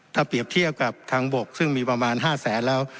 ถ้าเปรียบเทียบกับทางบกซึ่งมีประมาณ๕แสนแล้ว